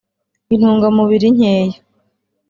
intungamubiri nkeya